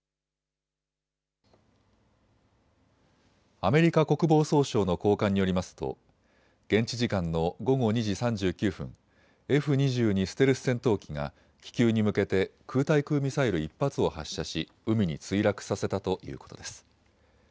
アメリカ国防総省の高官によりますと現地時間の午後２時３９分、Ｆ２２ステルス戦闘機が気球に向けて空対空ミサイル１発を発射し海に墜落させたということです。